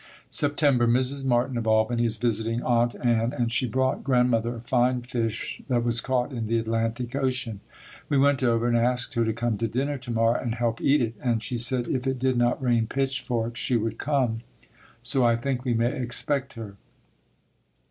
September. Mrs. Martin, of Albany, is visiting Aunt Ann, and she brought Grandmother a fine fish that was caught in the Atlantic Ocean. We went over and asked her to come to dinner to morrow and help eat it and she said if it did not rain pitchforks she would come, so I think we may expect her.